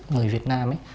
người việt nam ấy